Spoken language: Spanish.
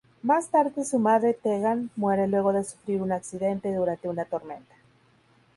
Más tarde su madre Tegan muere luego de sufrir un accidente durante una tormenta.